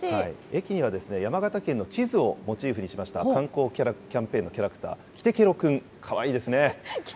駅には、山形県の地図をモチーフにしました、観光キャンペーンのキャラクター、きてけろくん、かわいいですね。